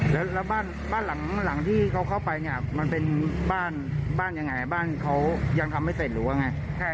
แล้วบ้านหลังที่เขาเข้าไปเนี่ยมันเป็นบ้านบ้านยังไงบ้านเขายังทำไม่เสร็จหรือว่าไง